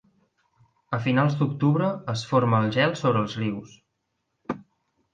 A finals d'octubre es forma el gel sobre els rius.